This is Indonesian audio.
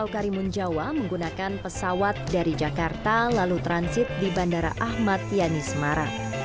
karimun jawa menggunakan pesawat dari jakarta lalu transit di bandara ahmad yani semarang